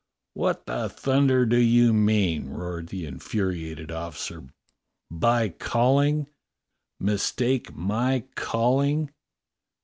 "What the thunder do you mean?" roared the in furiated officer, "by calling ? Mistake my calling